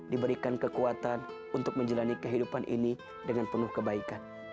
diberikan kekuatan untuk menjalani kehidupan ini dengan penuh kebaikan